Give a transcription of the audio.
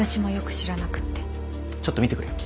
ちょっと見てくるよ。